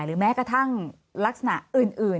แม้กระทั่งลักษณะอื่น